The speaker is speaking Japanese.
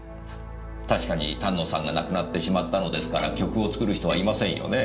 確かに丹野さんが亡くなってしまったのですから曲を作る人はいませんよねぇ。